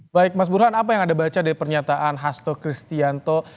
baik mas burhan apa yang anda baca dari pernyataan hasto kristianto